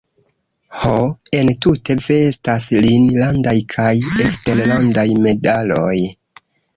Ho, entute vestas lin landaj kaj eksterlandaj medaloj.